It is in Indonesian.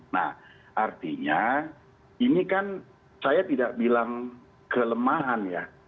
nah artinya ini kan saya tidak bilang kelemahan ya